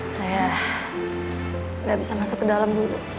saya gak bisa masuk ke dalem dulu